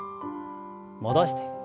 戻して。